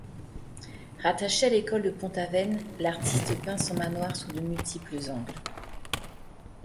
Rattaché à l'école de Pont-Aven, l'artiste peint son manoir sous de multiples angles.